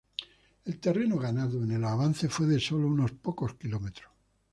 El terreno ganado en el avance fue de solo unos pocos kilómetros.